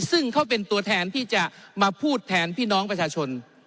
ซึ่งเขาเป็นตัวแทนที่จะมาพูดแทนพี่น้องประชาชน